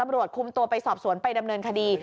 ตำรวจคุมตัวไปสอบสวนไปดำเนินคดี